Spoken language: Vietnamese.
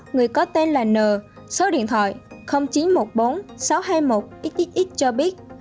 người có tên là n số điện thoại chín trăm một mươi bốn sáu trăm hai mươi một xxx cho biết